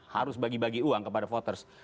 harus bagi bagi uang kepada voters